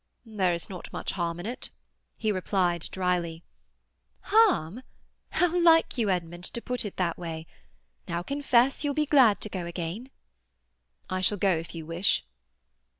"There is not much harm in it," he replied dryly. "Harm? How like you, Edmund, to put it that way! Now confess you will be glad to go again." "I shall go if you wish."